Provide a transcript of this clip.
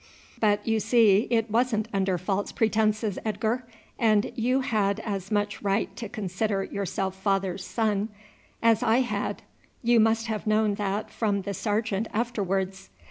"But you see it wasn't under false pretences, Edgar, and you had as much right to consider yourself father's son as I had. You must have known that from the sergeant afterwards."